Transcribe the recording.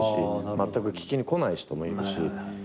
まったく聞きに来ない人もいるし。